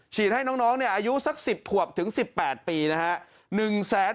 ให้น้องอายุสัก๑๐ขวบถึง๑๘ปีนะฮะ